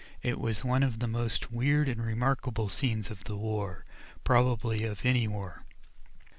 It was one of the most weird and remarkable scenes of the war, probably of any war.